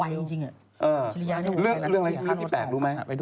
จริงเรื่องอะไรอีกเรื่องที่แปลกรู้ไหม